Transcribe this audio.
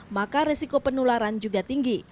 maka resiko penularan juga tinggi